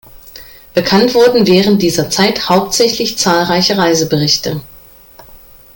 Bekannt wurden während dieser Zeit hauptsächlich zahlreiche Reiseberichte.